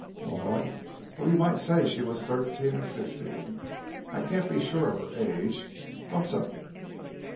"Maud? Oh, you might say she was thirteen or fifteen. I can't be sure of her age. What's up?"